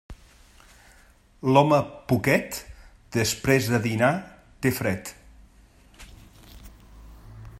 L'home poquet, després de dinat té fred.